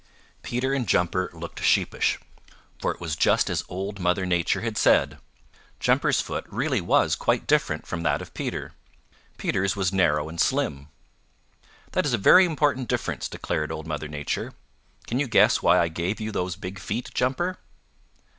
Peter and Jumper looked sheepish, for it was just as Old Mother Nature had said. Jumper's foot really was quite different from that of Peter. Peter's was narrow and slim. "That is a very important difference," declared Old Mother Nature. "Can you guess why I gave you those big feet, Jumper?"